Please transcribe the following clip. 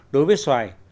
đối với xoài